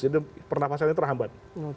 jadi pernafasannya terhambat